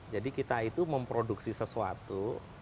jadi kita itu memproduksi sesuatu